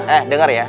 eh denger ya